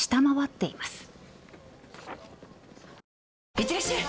いってらっしゃい！